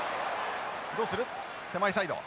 どうする手前サイド。